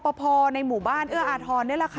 ช่องบ้านต้องช่วยแจ้งเจ้าหน้าที่เพราะว่าโดนฟันแผลเวิกวะค่ะ